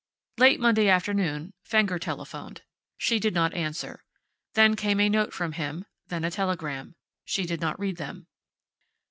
Late Monday afternoon Fenger telephoned. She did not answer. There came a note from him, then a telegram. She did not read them.